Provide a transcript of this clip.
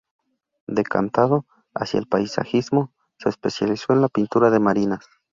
Decantado hacia el paisajismo, se especializó en la pintura de marinas.